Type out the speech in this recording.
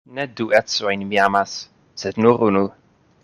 Ne du edzojn mi amas, sed nur unu.